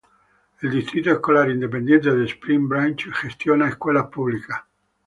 El Distrito Escolar Independiente de Spring Branch gestiona escuelas públicas.